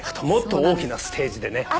もっと大きなステージでね。